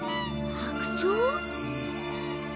白鳥。